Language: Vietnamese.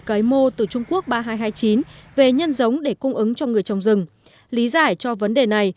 cấy mô từ trung quốc ba nghìn hai trăm hai mươi chín về nhân giống để cung ứng cho người trồng rừng lý giải cho vấn đề này